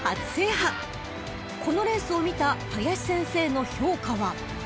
［このレースを見た林先生の評価は］